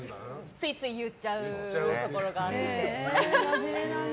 ついつい言っちゃうところがあって。